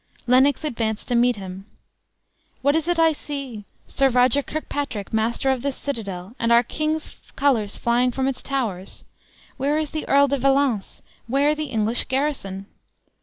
Lennox advanced to meet him. "What is it I see? Sir Roger Kirkpatrick master of this citadel, and our king's colors flying from its towers? Where is the Earl de Valence? Where the English garrison?"